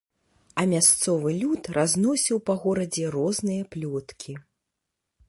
А мясцовы люд разносіў па горадзе розныя плёткі.